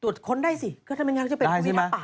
ตรวจค้นได้เขาจะเป็นภูมิทักป่าได้ไหม